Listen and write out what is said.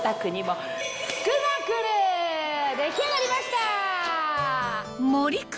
出来上がりました！